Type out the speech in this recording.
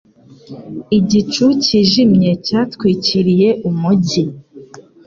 Igicu cyijimye cyatwikiriye umujyi.